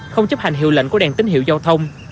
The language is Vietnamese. không chấp hành hiệu lệnh của đèn tín hiệu giao thông